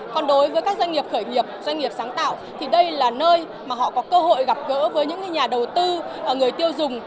còn đối với các doanh nghiệp khởi nghiệp doanh nghiệp sáng tạo thì đây là nơi mà họ có cơ hội gặp gỡ với những nhà đầu tư người tiêu dùng